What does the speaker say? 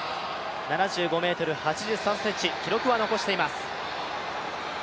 ７５ｍ８３ｃｍ、記録は残しています。